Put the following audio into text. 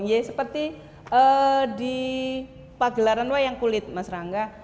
ya seperti di pagelaran wayang kulit mas rangga